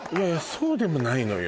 そうでもないのよ